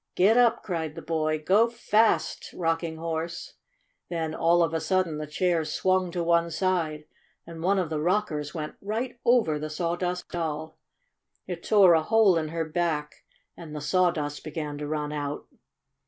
"Gid dap!" cried the boy. "Go fast, Rocking Horse !" Then, all of a sudden, the chair swung to one side and one of the rockers went right over the Sawdust Doll. It tore a hole in her back and the sawdust began to run out.